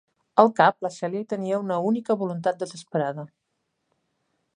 Al cap, la Celia hi tenia una única voluntat desesperada.